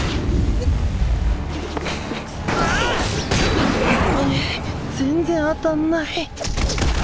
うう全然当たんないっ！